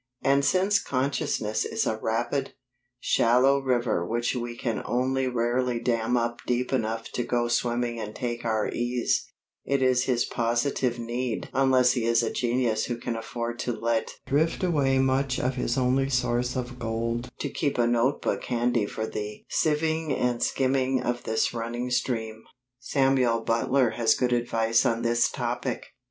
And since consciousness is a rapid, shallow river which we can only rarely dam up deep enough to go swimming and take our ease, it is his positive need (unless he is a genius who can afford to let drift away much of his only source of gold) to keep a note book handy for the sieving and skimming of this running stream. Samuel Butler has good advice on this topic.